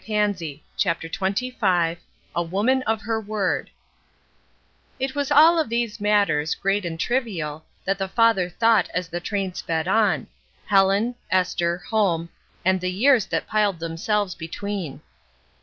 *r *• CHAPTER XXV A WOMAN OF HER WORD IT was of all these matters, great and trivial, that the father thought as the train sped on, — Helen, Esther, home, and the years that piled themselves between.